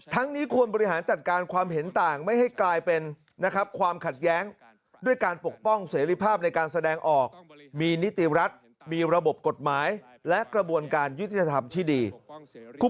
ทั้งนี้ควรบริหารจัดการความเห็นต่างไม่ให้กลายเป็นความขัดแย้ง